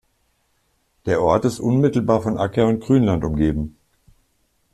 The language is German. Der Ort ist unmittelbar von Acker- und Grünland umgeben.